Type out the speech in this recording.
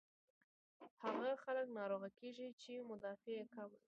هاغه خلک ناروغه کيږي چې مدافعت ئې کم وي